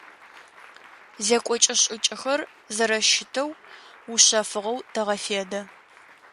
Зекӏокӏэ-шӏыкӏэхэр зэрэщытэу ушъэфыгъэу тэгъэфедэ.